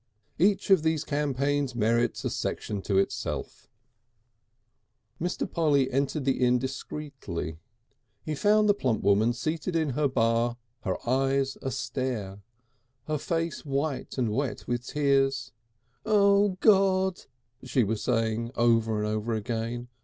Each of these campaigns merits a section to itself. Mr. Polly re entered the inn discreetly. He found the plump woman seated in her bar, her eyes a stare, her face white and wet with tears. "O God!" she was saying over and over again.